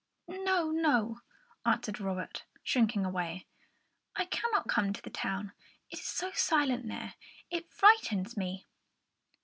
"No, no," answered Robert, shrinking back. "I cannot come to the town; it is so silent there, it frightens me."